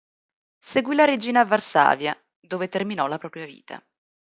Seguì la regina a Varsavia dove terminò la propria vita.